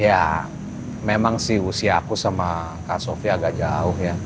ya memang sih usia aku sama kak sofi agak jauh ya